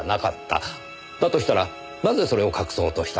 だとしたらなぜそれを隠そうとしたのか。